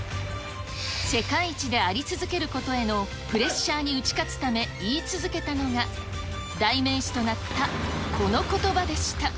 世界一であり続けることへのプレッシャーに打ち勝つため、言い続けたのが、代名詞となったこのことばでした。